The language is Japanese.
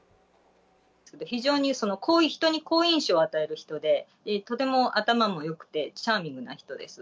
非常に人に好印象を与える人で、とても頭もよくて、チャーミングな人です。